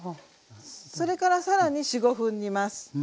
それからさらに４５分煮ます。